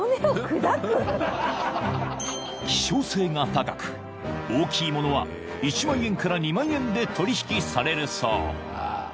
［希少性が高く大きいものは１万円から２万円で取引されるそう］